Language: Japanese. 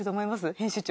編集長。